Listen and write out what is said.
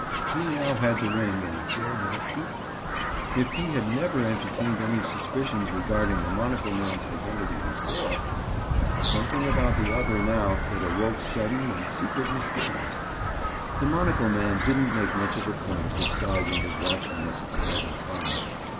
He now had the ring and he dared not keep it. If he had never entertained any suspicions regarding the monocle man's identity before, there was something about the other now that awoke sudden and secret misgivings. The monocle man didn't make much of a point of disguising his watchfulness at the present time.